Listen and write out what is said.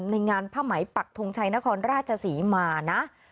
ในงานผ้าไหมปักทงชัยนครราชศรีมานะ